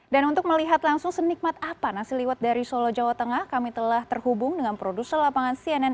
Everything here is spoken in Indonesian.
dan untuk melihat langsung senikmat apa nasi liwet dari solo jawa tengah kami telah terhubung dengan produser lapangan cnn